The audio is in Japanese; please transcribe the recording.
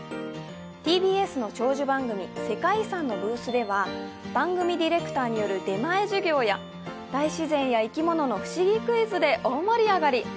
ＴＢＳの長寿番組「世界遺産」のブースでは番組ディレクターによる出前授業や大自然や生き物の不思議クイズで大盛り上がり。